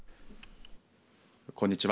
こんにちは。